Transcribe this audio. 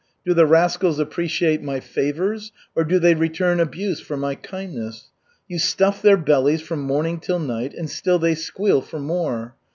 Do the rascals appreciate my favors or do they return abuse for my kindness? You stuff their bellies from morning till night, and still they squeal for more.